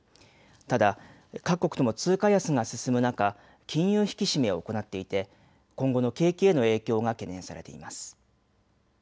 ただ各国とも通貨安が進む中、金融引き締めを行っていて今後の景気への影響が懸念されています。